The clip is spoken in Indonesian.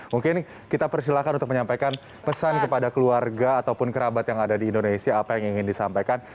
mungkin kita persilahkan untuk menyampaikan pesan kepada keluarga ataupun kerabat yang ada di indonesia apa yang ingin disampaikan